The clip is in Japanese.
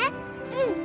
うん。